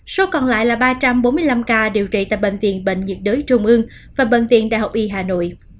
số còn lại là ba trăm bốn mươi năm ca điều trị tại bệnh viện bệnh nhiệt đới trung ương và bệnh viện đại học y hà nội